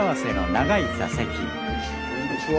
こんにちは。